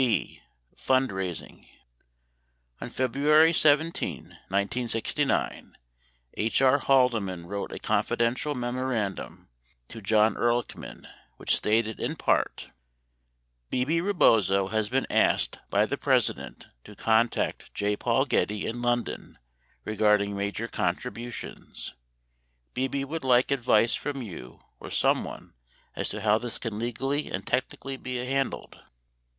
B. Fundraising On February 17, 1969, H. R. Haldeman wrote a confidential memo randum to John Ehrlichman which stated in part : Bebe Rebozo has been asked by the President to contact J. Paul Getty in London regarding major contributions. Bebe would like advice from you or someone as to how this can legally and technically be handled.